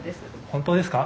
本当ですか？